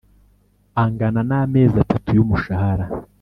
Angana n amezi atatu y umushahara